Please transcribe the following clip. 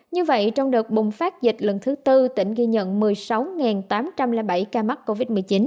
như vậy trong đợt bùng phát dịch lần thứ tư tỉnh ghi nhận một mươi sáu tám trăm linh bảy ca mắc covid một mươi chín